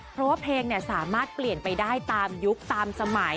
เพราะว่าเพลงสามารถเปลี่ยนไปได้ตามยุคตามสมัย